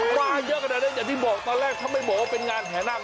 มาเยอะขนาดนั้นอย่างที่บอกตอนแรกถ้าไม่บอกว่าเป็นงานแห่นาค